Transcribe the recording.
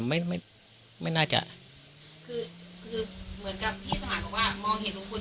ไม่ไม่น่าจะคือคือเหมือนกับพี่สมานบอกว่ามองเห็นลุงพล